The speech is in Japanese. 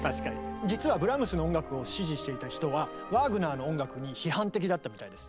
実はブラームスの音楽を支持していた人はワーグナーの音楽に批判的だったみたいです。